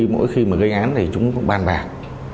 mỗi khi mà gây án thì chúng cũng ban bạc